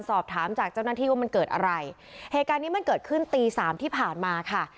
สอบถามจากเจ้าหน้าที่ว่ามันเกิดอะไรเหตุการณ์นี้มันเกิดขึ้นตีสามที่ผ่านมาค่ะ